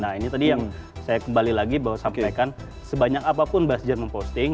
nah ini tadi yang saya kembali lagi bahwa sampaikan sebanyak apapun buzzer memposting